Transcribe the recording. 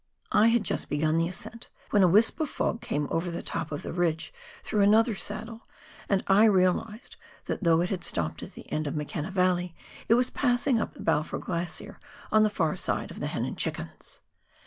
I bad just begun the ascent, when a wisp of fog came over the top of the ridge through another saddle, and I realised that though it had stopped at the end of McKenna valley, it was passing up the Balfour Glacier on the far side of the " Hen and Chickens."